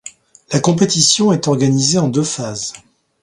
La compétition est organisée en deux phases.